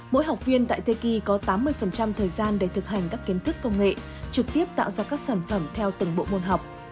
mỗi học viên tại tê kỳ có tám mươi thời gian để thực hành các kiến thức công nghệ trực tiếp tạo ra các sản phẩm theo từng bộ môn học